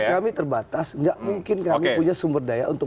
kami terbatas nggak mungkin kami punya sumber daya untuk